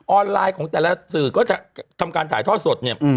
ออนไลน์ของแต่ละสื่อก็จะทำการถ่ายทอดสดเนี่ย